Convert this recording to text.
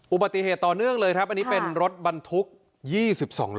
อุบัติเหตุต่อเนื่องเลยครับอันนี้เป็นรถบรรทุก๒๒ล้อ